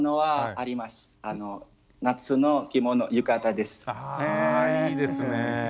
あいいですね。